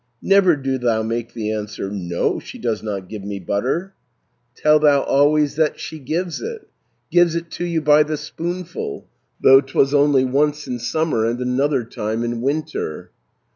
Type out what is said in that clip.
440 Never do thou make the answer, 'No, she does not give me butter;' Tell thou always that she gives it, Gives it to you by the spoonful, Though 'twas only once in summer, And another time in winter.